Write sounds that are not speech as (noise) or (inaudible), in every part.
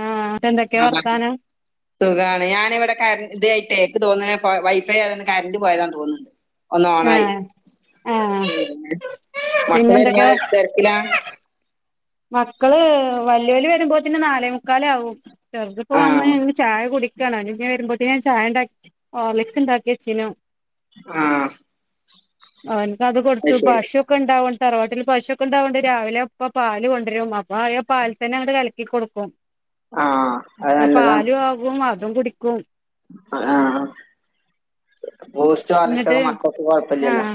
ആഹ് എന്തൊക്കെയാ വർത്താനം സുഖാണ് ഞാനിവിടെ കരണ്ട് ഇതായിട്ട് ഇക്ക് തോന്നുണ വൈഫൈ ആയോണ്ട് കറന്റ് പോയതാ തോന്നുന്ന് ഒന്ന് ഓണായി ആഹ് ആഹ് പിന്നെ മക്കള് വരുമ്പോ പിന്നെന്തൊക്കെയാ തിരക്കിലാ? മക്കള് വല്യാല് വരുമ്പോ തിന്‌ നാലേ മുക്കാലാവും. ചെറു തിപ്പ വന്ന് ആഹ് ചായ കുടി (unintelligible) വരുമ്പോത്തിന് ഞാൻ ചായ ഇണ്ടാ ഹോർ ലിക്സ് ഇണ്ടാക്കി വച്ചീനു ആ അവൻക്ക് അത് കൊടുത്തു പശു ഒക്കെ ഉണ്ടാവണ്ട് തറവാട്ടല് പശൊക്കെ ഉണ്ടാവണ്ട് രാവിലെപ്പ പാ ല് കൊണ്ടരും അപ്പൊ ആയ പാൽ തന്നെ അങ്ങട്ട് കലക്കി കൊട്ക്കും ആഹ് അത് ന്നാ നല്ലതാണ് പാലു ആകും അതും കുടിക്ക ആഹ് ബൂസ്റ്റോ ഹോർലിക്സോ എന്നിട്ട് മകൾക്ക് കൊഴപ്പലല്ലോ? ആഹ്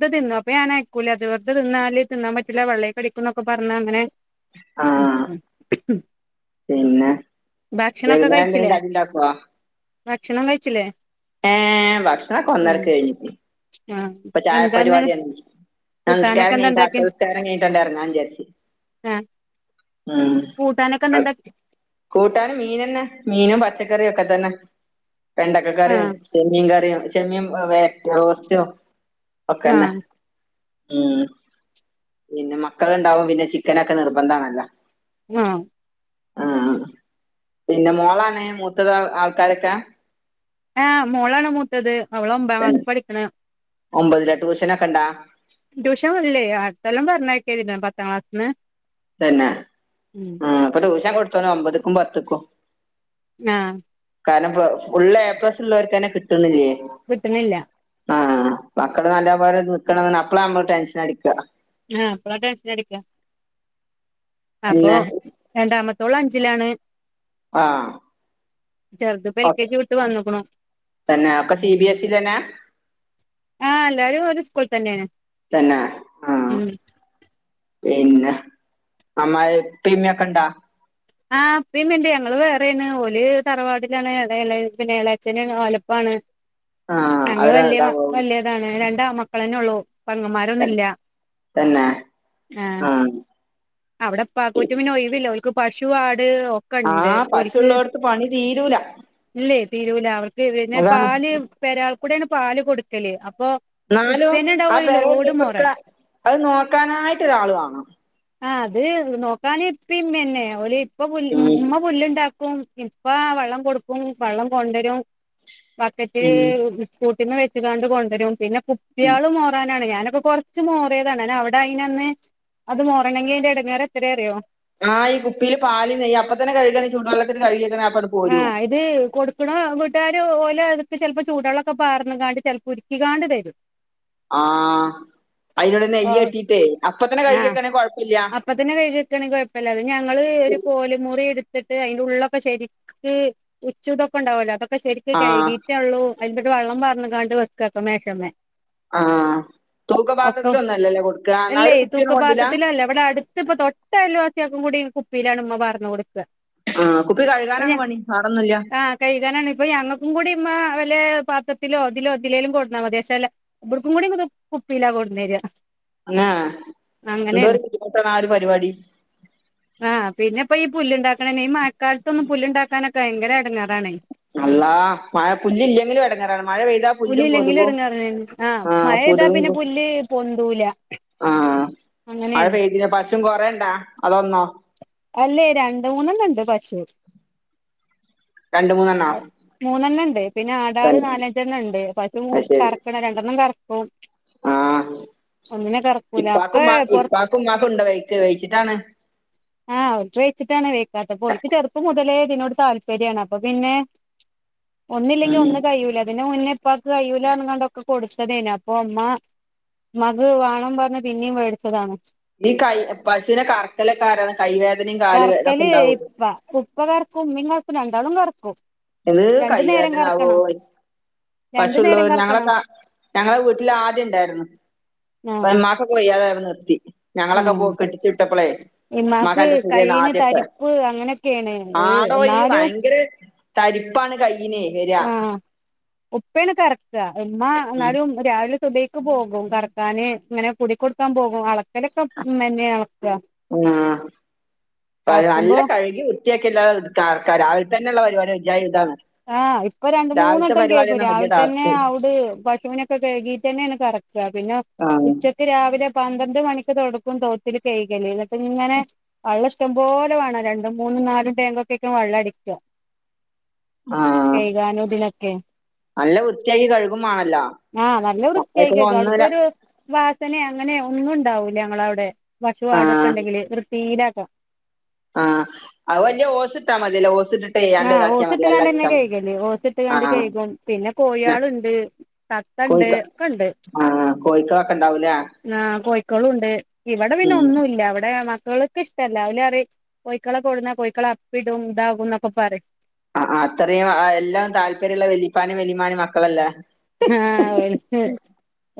ത് തിന്നോ അപ്പൊ ഞാനയ്ക്കൂല അത് വെറത തിന്നാല് തിന്നാൻ പറ്റില്ല വള്ളേക്കടിക്കും ന്നൊക്കെ പറഞ്ഞങ്ങനെ ആഹ് ഉം പിന്നെ വൈനേരം ന്തെങ്കിലും കഴിച്ചില്ലേ കടിണ്ടാ ക്കോ? ഭക്ഷണം കഴിച്ചില്ലേ? ഏ ഭക്ഷ ആ ണൊക്കെഒന്നരക്ക് കഴിഞ്ഞു. ആ പ്പ ചായ എന്താന്ന് പരിപവാടിയാണ്. ഞാ കൂട്ടാനൊക്കെ നിസ്ക്കാരം എന്താ കഴ്ഞ്ഞിട്ട് ഉണ്ടാക്കി സംസ്കാരം കഴ്ഞ്ഞിട്ടാണ്ടെർങ്ങാന്ന് വിചാർച്ചു ആ കൂട്ടാനൊക്കെ എന്താ ഉണ്ടാക്കി കൂട്ടാന് മീനന്നെ മീനും പച്ച റിയൊക്കെ തന്നെ വെണ്ടക്ക ആ കറി ചെമീൻ കറി (unintelligible) ഉം ആ പിന്നെ മക്കളുണ്ടാവുമ്പോ പിന്നെ ചിക്കനൊക്കെ നിർബന്ധാണല്ലോ ആഹ് ആ പിന്നെ മോളാണ് മൂത്തത് ആൾക്കാരൊക്കെ? ആഹ് മോളാണ് മൂത്തത് അവള് ഒമ്പാം ക്ലാസ് പഠിക്കണ ഒമ്പതില ട്യൂഷനൊക്കെ ഇണ്ടാ ട്യൂഷനില്ലെ പത്താം ക്ലാസിന് തന്നെ അ അപ്പൊ ടൂഷൻ കൊടുത്ത്ണ് ഒമ്പതുക്കും പത്ത്ക്കും ആഹ് കാരണം ഫുൾ എപ്പസ് ഉള്ളോർ െക്കന്നെ കിട്ണി ല്ലെയ്. കിട്ടണില്ല. മക്കള് നല്ലംപോലെ നിക്കണന്നാണ് അപ്പള നമ്മള് ടെൻഷനടിക്ക ആ അപ്പളാ ടെൻഷൻ അടിക്ക അപ്പൊ പിന്നെ രണ്ടാമത്തോളുംഅഞ്ചിലാണ്. ആഹ് ചെറുത് പ്പെൽക്കേജി വിട്ട് വന്നക്ക്ണു തന്നെ ഒക്കെ സി ബി എസ് ഇ തന്നെ ആഹ് എല്ലാരും ഒരു സ്കൂൾ തന്നെ തന്നെ ഉം പിന്നെ അമ്മ പ്പിം മ്മിക്കെണ്ടാ ആ പ്പിം മ്മിംണ്ട് ഞങ്ങള് വേറെണ് ഓല് തറവാടിലാണ്. അവ്‌ടെ എളേ എളേഛന് ഓലപ്പാണ് ആ ഞങ്ങള് അവരെ വല്ല്യ ഇതാവോ വലിയതാണ് രണ്ടാൺമക്കളന്നെ ഉള്ളൂ പെങ്ങന്മാരൊന്നില്ല്യ തന്നെ ആഹ് ആ അവിടെ പ്പ കുറ്റു പിന്നേ ഒയ് വില്ല ഓൽക് പശു ആ ആ ഒക്കണ്ട് പശു ഓർക്ക് ഉള്ളോടത്ത് പണി തീരൂല ഇല്ലെയ് തീരൂല അവർക്ക് പിന്നെ അതാണ് പാല് പെരാൾകൂടേണ് പാല് കൊടുക്കല് അപ്പൊ എന്നാലോ ഉപ്പന്നെ ആ ഉണ്ടാവും ഒരു ലോഡ് മൊറൻ പെരിംകുടിക്കെ നോക്കാനായിട് ഒരാളു വാണം. ആ അത് നോക്കാന് ഇപ്പിം ഇമ്മിനെ ഓല് ഇപ്പ ഉം ഇമ്മപുല്ലുണ്ടാക്കും. ഉം ഇപ്പ വെള്ളം കൊടുക്കും വെള്ളം കൊണ്ടരും ബക്കറ്റ് ഉം ഇട്തൊ പിന്നെ വെച്കാണ്ട് കൊണ്ടുവരും പിന്നെ കുപ്പി ആള് മോറാനാണ് ഞാൻ അപ്പൊ കുറച്ച് മോറിയതാണ് അവിടെ അയിനന്ന്അത് മോറണെങ്കി അതിന്റെറെ ഇടങ്ങേർ എത്ര അറിയോ? ആഹ് ഈ കുപ്പീല് പാല് നെയ്യ് അപ്പത്തന്നെ കഴുകാണേ ചൂടു വെള്ളത്തില് കഴുകിവെക്കണം ആഹ ഇത് കൊടുക്ക്ണ. (unintelligible) ഓലകത്ത് ചിലപ്പോ ചൂടൊള്ളൊക്കെ പാർന്ന് കാണ്ട് ചിലപ്പോ ഉരുക്കിക്കാണ്ട് തരും ആഹ് അയ്നോട് ഓഹ് നെയ്യെട്ടിട്ടേ അപ്പ തന്നെ ആഹ് കഴുകിവെക്കേണേ കെഴപ്പല്ല്യാ അപ്പത്തന്നെ കഴുകി വെക്കാണെങ്കി കൊഴപ്പല്ല അത് ഞങ്ങള് ഒരു പോലെ മുറി എടുത്ത് ത്തിട്ട് അതിന്റെ ഉള്ളൊക്കെ ശരിക്ക് ഉച്ചുതൊക്കെണ്ടാവല്ലോ അതൊക്കെ ശരിക്ക് ആ കഴുകീറ്റേ ഉള്ളൂ അയിന്റൊ െക്കവള്ളം പാർന്ന്കാാണ്ട് വെക്കാട്ടോ മേഷമേ. ആഹ് (unintelligible) തൂക്കപാത്രത്തിലൊന്നും അല്ലല്ലേ കൊടുക്കുക എന്നാ അല്ലേ അവര് കുപ്പിയൊന്നും കൊണ്ടില്ല തൂക്കപാത്രത്തിലല്ല ഇവിടെ അടുത്ത് തൊട്ട ക്കതും കൂടി കുപ്പീലാണ് ഉമ്മ പാർന്ന് കൊട്ക്ക ആ കു ഇപ്പ ഞ ആ കയ്കാനാണ് ഇപ്പ ഞങ്ങക്കും കൂടി മ്മ ല് പാത്രത്തിലോ അതിലോ തിലേലും കൊടന്നാ മതി പഷേലെ ഇബ്ട്ക്കും കൂടിമിത് കുപ്പിലാ കൊട്ന്നേര (unintelligible) എന്തോരു ബുദ്ധിമുട്ടാണ് ആ ഒരു പരിപാടി. ആഹ് പിന്നെപ്പ ഈ പുല്ണ്ടാ ക്കാനൊക്കെ ഈ മഴക്കാലത്തൊന്നും പുല്ുണ്ടാക്കാനൊക്കെ ഭയങ്കര എടങ്ങാറാണേ അള്ളാ മഴ പുല്ഇല്ലെങ്കിലും ഇടങ്ങറാണ് മഴ പെയ്താ പുല്ലും കൊതുകും ആഹ യെയ്താ പിന്നെ പുല്ല് പൊന്തൂല ആഹ മഴ അങ്ങനെയാണ് പെയ്തി പശും കൊറേണ്ടാ അതൊന്നോ? അല്ലേ രണ്ട് മൂന്നെണ്ണ ണ്ട് പശു. ത മൂന്നെണ്ണണ്ട് പിന്നെ ആടാള് രണ്ട് നാലഞ്ചെണ്ണണ്ട് പശു അത് ശരി കറക്കണ രണ്ടെണ്ണം കറക്ക ആഹ് ഒന്നിനെ കറക്കൂല ഒക്കെ ഇപ്പക്കും മാ പുറത്ത് ഇപ്പാക്കും ഉമ്മാക്കും ണ്ടോ വഴിക്ക്? വഴിച്ചിട്ടാണ്. ആഹ് (unintelligible) വെച്ചിട്ടാണ് വെക്കാത്ത (unintelligible) ചെറുപ്പം മുതലെ തിനോട് താല്പര്യാണ് അപ്പൊ പിന്നെ ഒന്നില്ലെങ്കിൽ ഉം ഒന്ന് കയുല്ല അതിന്റെ മുന്നേ ഇപ്പാക്ക് കയുലപാറഞ്ഞക്കണ്ട് കൊടു (unintelligible) ഉമ്മാക്ക്വാണം പറഞ്ഞ് പിന്നിം മേടിച്ചതാണ് ഇ കായിപശുനെക ഇക്കലക്കാരാണ് കൈവേദനയും കാൽ കറക്കല് വേതൊക്കെണ്ടാവും. ഇപ്പ ഉപ്പ കറക്കും ഉമ്മിം കറക്കും രണ്ടാളും കറക്കും ഹ് രണ്ടു നേരം കറക്കണം കൈവേദനാവോയ് രണ്ടു പശുള്ളൂ നേരം ഞങ്ങളെ കറക്കണം കാ ഞങ്ങളെ വീട്ടില് ആദ്യം ഇണ്ടായിരുന്നു. ആഹ് (unintelligible) ഞങ്ങളൊക്കെ പോ ആഹ് കെട്ടിച്ചു വിട്ടപ്പളെ ഇമ്മാക്ക് മകന്റെ സൂര്യന്ന് കയ്യിന് ആദ്യത്തെ തരിപ്പ് അങ്ങനെയൊക്കെയാണ് ഏഹ് ആടോ ഈ എന്നാലും ഭയങ്കര തരിപ്പാണ് കൈ ആഹ് ഉപ്പയാണ് കറക്ടാ ഉമ്മ ഉം എന്നാലും രാ സുബഹിക്ക് പോകും കർക്കാന് ഇങ്ങനെ കുടികൊടുക്കാൻ പോകും ഓ അളക്കലൊക്കെ മ്മന്നെ അളക്ക അളക്കുമ്പോ ബനല്ലകഴുകിവൃത്തിയാക്കിയല്ലാതെക ക ഇരാവിലെതന്നെള്ളപരിപാടി വിചാഇതാണ് ആഹ് ഇപ്പ രണ്ട് മൂന്നട്ടം കേൾക്കും വലിയ രാവിലെ തന്നെ ടാസ്ക് അവിടെ പശുവിനൊക്കെ കയികിട്ടന്നെയാണ് കറ പിന്നെ ആ ഉച്ചക്ക് രാവിലെപന്ത്‌ രണ്ട് മണിക്ക് തോടക്കും തോത്തിട്ട് കഴുകല് എന്നട്ട് ഇങ്ങനെ വള്ള ഇഷ്ടം പോലെ വേണം രണ്ടും മൂന്നും നാലും ടെഗൊക്കെ വെള്ളം അടിക്ക ആ കഴിക്കനും ഇതിനൊക്കെ നല്ല വൃത്തിയാക്കി കഴുകും മാണല്ലോ ആഹ നല്ല അയ്ക്ക് വൃത്തിയായിക്കോക്കും ഒന്നര അടുത്തൊരു വാസനെ അങ്ങനെ ഒന്നും ഉണ്ടാവൂല്ല ഞങ്ങളവ്ടെ പശു ആടൊക്കെ ആ ഇണ്ടെങ്കില് വൃത്തിലാക്കം ആഹ് അത് വല്യ ഓസ് ഇട്ടാ മതിയല്ലോ ഓസ് ഇട്ടിട്ട് ചെയ്യാണ്ട് ആഹ ഇതാക്കിയാ ഓസ് മതി വെള്ളം ഇട്ടുകാണ്ട് തന്നെ അടിച്ചാ മതി കഴക്കല്ല് ഓസ് ഇട്ട കാണ്ട് ആഹ് കഴക്കും പിന്നെ ആഹ് കോഴാളുണ്ട് തത്തണ്ട് ഒക്ക ഉണ്ട് ആഹ കോയിക്കളൊക്കെ ണ്ടാവൂലേ ആ് കോഴിക്കോളും ഉണ്ട് ഇവിടെ പിന്നെ ഒന്നുംല്ല ഇവിടെ മ ക്കൾക്ക് ഇഷ്ടല്ലഅവല് പറയും കോയിക്കളെ കൊണ്ടുന്ന കോയിക്കള്അപ്പിഇടുംഇതാകുംന്നൊക്കെ പറയും ആ അത്രയും എല്ലാം താല്പര്യള്ള വെലിപ്പാന്റിംവലിമാന്റിം മക്കളല്ലേ? ആഹ് ഓൾക്ക്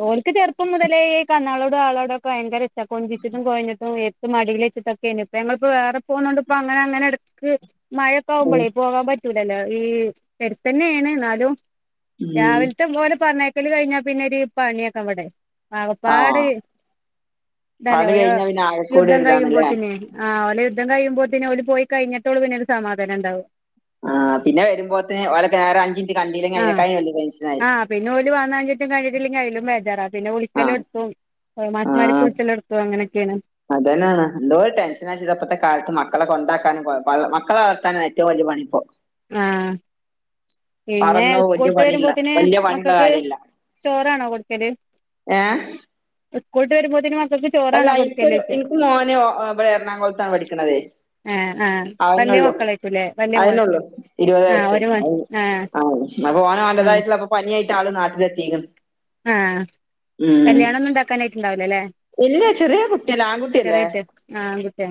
ഓൾക്ക് ചെറുപ്പം മുതലേ ഈ കണ്ണാളോടും ആളോടും ഒക്കെ ഭയങ്കര കൊഞ്ചിച്ചിട്ടും കൊഴഞ്ഞിട്ടും വർ ഇ മ ടീൽ വച്ചിട്ടൊക്കെയിനി ഇപ്പൊ ഞങ്ങള് വേറെ പോന്നോണ്ട് ഇപ്പൊ അങ്ങന അങ്ങനെ ഇടത്ത് ഉം മഴക്കെആാവുമ്പോളേപോകാൻ പറ്റൂലല്ലോ ഈ പേരുത്തന്നെയാണ് ന്നാലും ഉം ഓലെ പറഞ്ഞേക്കല് കഴിഞ്ഞാ പിന്നെ ഒരു പണിയൊക്കവടേ ആകപ്പാട് ആഹ് ഇതല്ലേ അത് ഓരോ കഴിഞ്ഞാ പിന്നെ ആകെക്കൂടി യുദ്ധം ഒരിതാണല്ലേ കഴിയുമ്പോതന് ആ ഓലേ ഇതം കഴിയുമ്പോതിന് ഓല് പോയികയ്ഞ്ഞിട്ടോരു പിന്നെരു സമാധാനം ഇണ്ടാവാ ആ് പിന്നെവരുംമ്പോള്തെന്ന്ഓള്ക്ക് നേറെഅഞ്ചിഞ്ച്ന്കണ്ടല്ലെ ആ അതിനക്കായിവല്യടെൻഷന ആ പിന്നെ ഒരു വന്നാഞ്ഞിട്ടും കഴിട്ടില്ലെങ്കിൽ അയിലും ബേജാറാ പിന്നെ വിളിക്കാൽ ആഹ് എടുത്തും മാഷുമാരിക്ക് വിളിക്കാൽ എടുത്തും അങ്ങനെയൊക്കെയാണ് അ െതന്നാണ് എന്തോരു ടെൻഷനാച്ചിട്ട ഇപ്പത്തെ കാലത്ത് മക്കളെ കൊണ്ടാക്കാനും മക്കളെ വളർത്താനും ഏറ്റവും വലിയ പണിപ്പോ ആഹ പിന്നെ വേറൊന്നും സ്കൂള് വല്യ വിട്ട് പണില്ല വരുമ്പോതേന്ന് വല്യ പണിള്ള മക്കക്ക് കാര്യല്ല ചോറാണോ കൊടുക്കല്? ഏഹ് സ്കൂളിട്ട് വരുമ്പോതിനും അല്ല എനിക്കൊരു എനിക്ക് മോനെ ഇവിടെ എറണാകുളത്താണ് പഠിക്കണതേ ആ ആ അഹ് വലിയ ന്നേള്ളൂ മക്കളായിക്കൂല്ലേ വലിയ അഹ് മോൻ ന്നേള്ളൂ ഇരുവത് ആ വയസ്സ് ഒരു മോൻ അഹ് ആ ആ അപോൻ ആ ഒന്റതായിട്ടുള്ള അപ്പൊപനിയായിട്ട്ആള് നാട്ടിലെത്തിയിക്കിന്ന് ആഹ കല്യാണംഒന്നും ഉണ്ടാക്കാനായിട്ട്ണ്ടാവില്ലഅല്ലെ ഇല്ല ചെറിയ കുട്ടിയല്ല ആ കുട്ടിയല്ലേ ആ ആൺകുട്ടിയ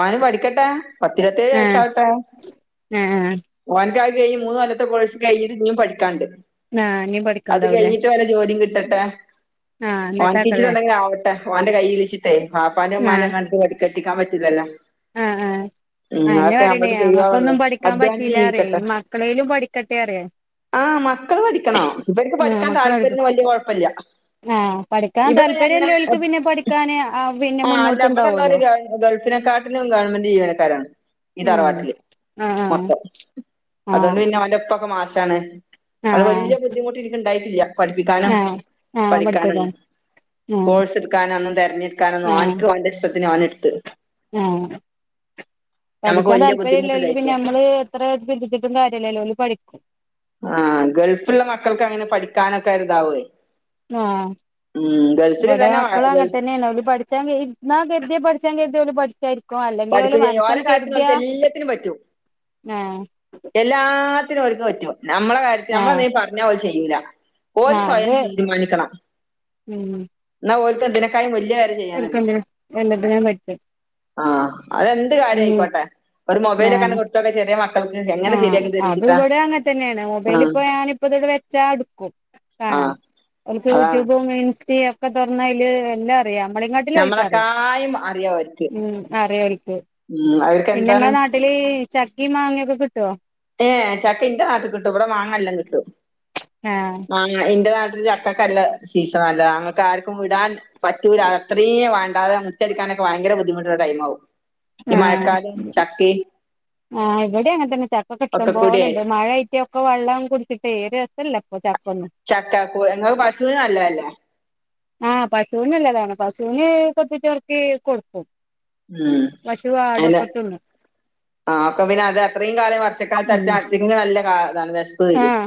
ഓൻ പഠിക്കട്ടെ പത്തിരുപത്തേഴ് ആഹ് വയസ്സാവട്ടെ ആഹ് ഓനക്ക് ഇപ്പൊ ഈ മൂന്ന്കൊല്ലത്തെ കോഴ്സ്കയ്യിഞ്ഞിട്ട്ഇഞ്ഞും പഠിക്കാനിണ്ട് ആഹ് ഇനിയും അത് പഠിക്കണ്ടാവൂലേ കഴിഞ്ഞിട്ട് വല്ലജോലിയും കിട്ടട്ടെ ആഹ് (unintelligible) എന്നിട്ടാക്കല്ലേ എന്തെങ്കിലുംആവട്ടെ ഉമ്മാന്റെകൈളിച്ചിട്ടേയ് ആഹ് ബാപ്പാന്റെയുംഉമ്മനെയുംകണ്ട് പ കെട്ടിക്കാൻപറ്റില്ലാലോ ഹേ അന്നേ പറയണേ അങ്ങക്കൊന്നും പഠിക്കാൻ അധ്വാനിച്ച് പറ്റീല്ലറിയ ഈ മക്കളേലും പഠിക്കട്ടെ അറിയ ആ മക്കള് പഠിക്കണോ ഇവർക്ക് ആഹ് പഠിക്കാൻ മക്കള് താല്പര്യം വല്യ കുഴപ്പല്ല ആഹ് പഠിക്കാൻ ഇവിടെ യങ്ങനെ എ താല്പര്യല്ലോൽക്ക് പിന്നെ പഠിക്കാന് പിന്നെ ആഹ് അല്ല ഇവിടൊള്ളൊരു മുന്നോട്ടുണ്ടാവുമല്ലോ ഗ ഗൾഫിനെ കാ പ്പനുംഗവൺമെന്റ് ജീവനക്കാരാണ് ഈ ഉം തറവാട്ടില് ആഹ് മൊത്തം അതുകൊണ്ട് ആഹ് പിന്നെഒന്റെ ഒപ്പൊക്കെമാഷാണ്. അത് ആഹ് വല്യ ബുദ്ധിമുട്ട്എനക്ക് ഇണ്ടായിട്ടില്ലപഠിപ്പിക്കാനോ ആഹ് ആഹ് പഠിക്കാനോ പഠിച്ചേക്കാം ആഹ് പോഴ്സ്എടുക്കാനൊന്നും ആഹ് തിരഞ്ഞെടുക്കാനാന്നുംഓന്ക്ക് ഓന്റെഇഷ്ടത്തിന ഓനെടുത്ത് ആഹ് (unintelligible) നമുക്ക് പഠിക്കാൻ വല്യ താല്പര്യംല്ലോൽക്ക് ബുദ്ധിമുട്ടുണ്ടായിട്ടില്ല നമ്മള് എത്ര (unintelligible) കാര്യല്ലല്ലോ ഓല് പഠിക്കും ആഹ ഗൾഫുള്ളമക്കൾക്ക് അങ്ങനെ പഠിക്കാനൊക്കെഇർതാവുവേ ആഹ് ഉം ഇവിടെ ഗൾഫില്തന്നെ മക്കളും അങ്ങനെ തന്നെയാണ് പഠിച്ചാ ഇർന്ന കരുത്യ പഠിച്ചാ കര്തി പഠിച്ചരിക്ക പഠിക്കുചെയ്യും ഓല കാര്ത്തിനും ഓലക്ക് എല്ലാത്തിനും പറ്റും ആഹ് എല്ലാത്തിനും ഒരുക്ക് പറ്റും, നമ്മളെ കാര്യത്തി ആഹ് നമ്മളെന്തേലും പറഞ്ഞ ഓല് ചെയ്യൂല. ഓൽ ആഹ് അത് സ്വയം തീരുമാനിക്കണം ഉം എന്നാൽ ഓൽക്ക് എന്തിനേക്കായും വലിയ എ ചെയ്യാനറിയ ഓൽക്കെന്തിനും എല്ലാത്തിനും പറ്റും ആഹ അതെന്ത് ഉം കാര്യായിക്കോട്ടെ ഒരു മൊബൈലൊക്കെയങ്ങട് കൊടുത്തൊക്കെ ചെയ് ആഹ അത് ഇവിടെഅങ്ങനെ തന്നെയാണ് ആഹ് മൊബൈൽഇപ്പഞാനിപ്പോ ഇതടെവെച്ചാഎടുക്കും കാണാൻ ആഹ് അവർക്ക് അതാണ് യൂട്യൂബും ഇൻസ്റ്റും ഒക്കെ തുറന്നതില് എല്ലാ ഞമ്മളക്കാട്ടലും ഓൽകറിയ നമ്മളെക്കായും അറിയാ ഓര്ക്ക് ഉ അറിയഓൽക്. ഉം അവർക്ക് പിന്നെ എന്താണ് ങ്ങളെ നാട്ടില് ചക്കിം മാങ്ങക്കെ കിട്ടോ ഏ ചക്ക ഇന്റെ നാട്ട്ക്ക് കിട്ടോ ഇവിടെ മാങ്ങ എല്ലം കിട്ടും ആഹ് മാങ്ങ ഇന്റെ നാ ചക്കക്കല്ല സീസണലോ അങ്ങക്ക് ആർക്കും വിടാൻ പറ്റൂല അത്രയും വേണ്ടാതെ മുറ്റടിക്കാൻ ഭയങ്കര ബുദ്ധിമുട്ടുള്ള ടൈമാവും ഈ ആഹ മഴക്കാലം ചക്കേം ആ ഇവിടെ അങ്ങനെ തന്നെ ച ഇഷ്ട്ടം ഒക്കെ കൂടിയേ പോലെണ്ട് മഴ ആയ്ട്ട് ഒക്കെ വള്ളം കുട്ച്ച്ട്ട് (unintelligible) രസംല്ല ഇപ്പ ച ചക്കാക്കൂ ഇങ്ങക്ക് പശു നല്ലഅല്ലേ ആഹ് പശുവിനല്ലതാണ് പശുവിന് കൊത്തി ചോർക്ക് കൊടുക്കും. ഉം പശു ആടൊക്കെ (unintelligible) തിന്നും ആഹ ആയൊക്കെ പിന്നെ അത് അത്രയും കാലം വർഷക്കാലത്ത് ഉം (unintelligible) (unintelligible) ബസ്സ്‌ വരും. ആഹ്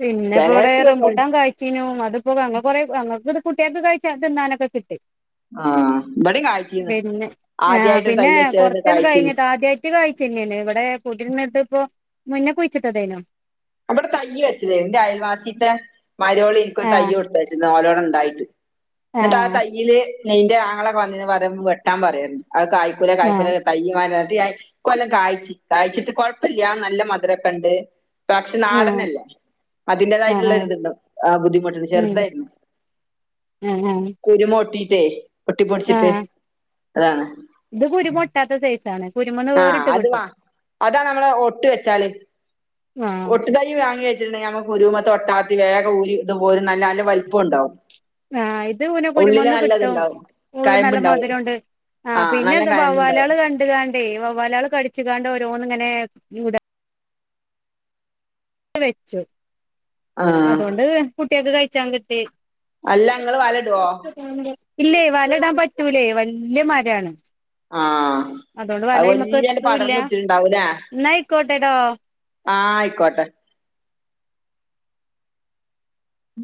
പിന്നെ ഇപ്പോ ഇവിടെ റംബൂട്ടാ കഴചീനൂ അതിപ്പോ ഞങ്ങൾ (unintelligible) കുട്ടികൾക്ക്കഴിക്കാ തിന്നാനൊക്കെ കിട്ടി ആഹ് ഇബടിം കായ്ച്ചീന്ന് പിന്നെ ആ ആദ്യായിട്ട് തൈ പിന്നെ വെച്ചത് കൊർച്ച്ണ്ട് കായ്ച്ചീന്ന് കഴിഞ്ട്ട് ആദ്യായിട്ട് കായ് ചിന്നന്ന ഇവിടെ കൂട്ടരിന്നിടുത്ത് ഇപ്പോമുന്നേകുഴിച്ചിട്ടതേനു അവിടെ തയ്യ് വെച്ചതെ അയൽവാസീന്റെ മരോളി എനക്ക് ആഹ് തയ്യ് കൊടുത്ത വച്ചത് ഓലോട ഉണ്ടായിട്ട് എന്നിട്ട് ആ ആഹ് തയ്യില് നയിന്റെ ആങ്ങളൊക്കെ വന്നിന്ന് പറയും വെട്ടാൻ പറയും ആ കായക്കൂല ആഹ് കായക്കുല തയ്യമാലാ കൊല്ലം കായ്ച്ച് കായ്ച്ച്ട്ട് കൊഴപ്പല്ല നല്ല മധുരംക്കെണ്ട് തക്ഷി ആഹ് ന്നാടനല്ലെ ആഹ് ആഹ് അതിന്റെതായിട്ടുള്ളോരിത്ണ്ടാവും ആ ബുദ്ധിമുട്ട് ഉം ചെറുതായിരുന്നു ആഹ് ആഹ് കുരുമൊട്ടിട്ടേ ഒട്ടിപ്പൊടിച്ചിട്ട് ആഹ് അതാണ് ഇത് കുരുമൊട്ടാത്ത സൈസാണ് കുരുമന്ന് ആഹ് വേറ്ട്ട് അത് കിട്ടും വാ അതാ നമ്മളെ ഒട്ട് വെച്ചാല് ആഹ് ഒട്ടുതയ്യി വാങ്ങിവെച്ചിട്ട്ണ്ട് ഞങ്ങ കുരൂമതൊട്ടാത്തി വേഗം ഊരി ഇതുപോലെ ന്നല്ല ന്നല്ല വലുപ്പോം ഉണ്ടാവും ആഹ് ഇത് പിനെ ഉള്ളില് കുരുമന്ന് കിട്ടും നല്ലതുണ്ടാവും ഉള്ള് ന്നല്ല കയമ്പുണ്ടാവും മധുരൂണ്ട് ആഹ ആഹ് നല്ല പിന്നെന്ത് കയമ്പുണ്ടാവും വവ്വാലേള് കണ്ട്കാണ്ടേ വവ്വാലേള് കടിച്ച്ങ്ങാണ്ട് ഓരോ ന്നിങ്ങനെ വെച്ചു ആഹ് അതോണ്ട് കുട്ട്യേക്ക് കയ്ച്ചാൻ കിട്ടി അല്ലങ്ങള് വലടോ ഇല്ലേ വലടാൻ പറ്റൂലേ വല്യ മരാണ് ആഹ് അതുകൊണ്ട് വല അത് ഐമക്ക് വല്യാണ്ട് എത്തൂല്ല പടർന്ന് പിടിച്ചിട്ടുണ്ടാവൂലേ എന്നായ്ക്കോട്ടെടോ ആഹ ആയ്ക്കോട്ടെ ഉ